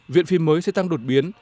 viện phí mới sẽ tăng đột biến